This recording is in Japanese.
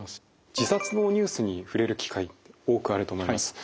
自殺のニュースに触れる機会って多くあると思います。